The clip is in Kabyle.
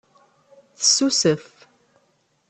Tessusef.